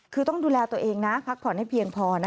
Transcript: คือต้องดูแลตัวเองนะพักผ่อนให้เพียงพอนะ